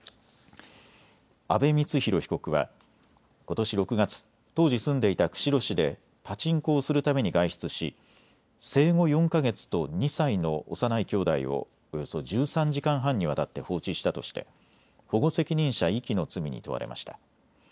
阿部光浩被告はことし６月、当時住んでいた釧路市でパチンコをするために外出し生後４か月と２歳の幼い兄弟をおよそ１３時間半にわたって放置したとして保護責任者遺棄の罪に問われました。